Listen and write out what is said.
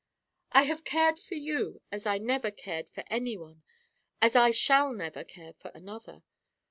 "I have cared for you as I never cared for any one; as I shall never care for another.